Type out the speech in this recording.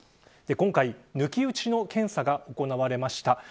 今回抜き打ちの検査が行われました。